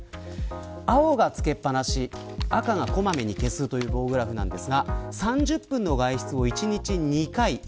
青がつけっぱなし赤が小まめに消すという棒グラフです。